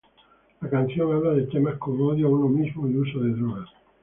La canción habla de temas como odio a uno mismo y uso de drogas.